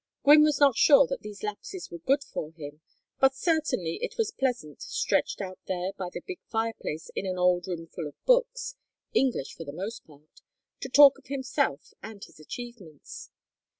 Gwynne was not sure that these lapses were good for him, but certainly it was pleasant, stretched out there by the big fireplace in an old room full of books, English for the most part, to talk of himself and his achievements.